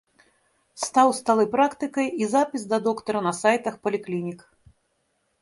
Стаў сталай практыкай і запіс да доктара на сайтах паліклінік.